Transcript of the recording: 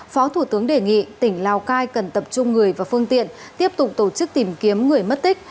phó thủ tướng đề nghị tỉnh lào cai cần tập trung người và phương tiện tiếp tục tổ chức tìm kiếm người mất tích